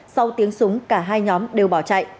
sau tiếng súng cả hai nhóm đều bỏ chạy